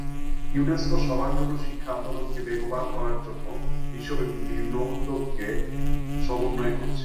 UNESCO সবার জন্য শিক্ষা আন্দোলনকে বেগবান করার জন্যে বিশ্বব্যাপী বিভিন্ন উদ্যোগকে সমন্বয় করছে।